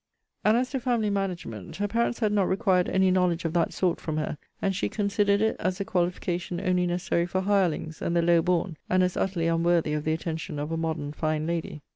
And as to family management, her parents had not required any knowledge of that sort from her; and she considered it as a qualification only necessary for hirelings, and the low born, and as utterly unworthy of the attention of a modern fine lady.